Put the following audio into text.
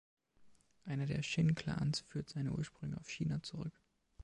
Einer der Shin-Clans führt seine Ursprünge auf China zurück.